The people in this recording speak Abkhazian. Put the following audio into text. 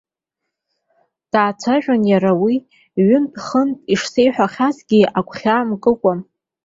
Даацәажәон иара, уи ҩынтә-хынтә ишсеиҳәахьазгьы агәхьаа мкыкәа.